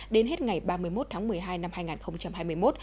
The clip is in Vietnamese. đến hết ngày ba mươi một tháng một mươi hai năm hai nghìn hai mươi một